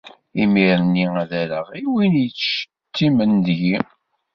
Imir-nni ad rreɣ i win yettcettimen deg-i.